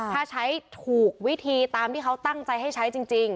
ถ้าใช้ถูกวิธีตามที่เขาตั้งใจให้ใช้จริง